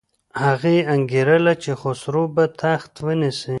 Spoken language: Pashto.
هغه انګېرله چې خسرو به تخت ونیسي.